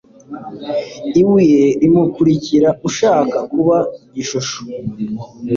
Ibuye rimukurikira ushaka kuba igishusho